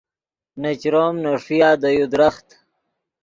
نے چروم نے ݰویا دے یو درخت